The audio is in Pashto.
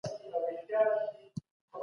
ایا د وارداتو کمښت یوازني ستونزه وه؟